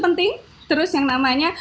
penting terus yang namanya